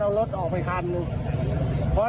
มันค่อยลงปริ้นไปกลางคลองหมดเลย